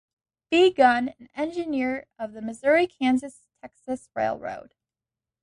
B. Gunn, an engineer of the Missouri-Kansas-Texas Railroad.